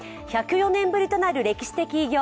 １０４年ぶりとなる歴史的偉業